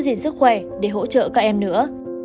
gìn sức khỏe để hỗ trợ các em nữa